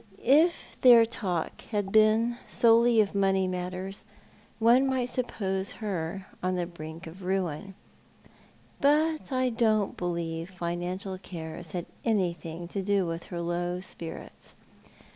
If their talk had been solely of money matters, one might suppose her on the brink of ruin, but I don't believe financial cares had anything to do with her low spirits.